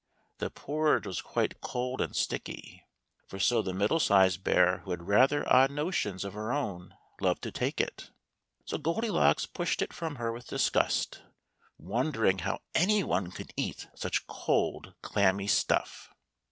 The porridge was quite cold and sticky ; for so the middle sized bear, who had rather odd notions of her own, loved to take it. So Goldilocks pushed it from her with disgust, wondering how any one could eat such cold clammy stuff.